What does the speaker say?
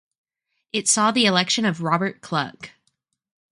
It saw the election of Robert Cluck.